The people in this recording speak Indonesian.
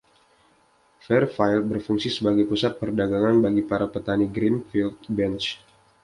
Fairfield berfungsi sebagai pusat perdagangan bagi para petani Greenfield Bench.